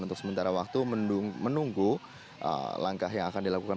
untuk sementara waktu menunggu langkah yang akan dilakukan